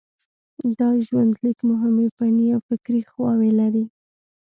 دا ژوندلیک مهمې فني او فکري خواوې لري.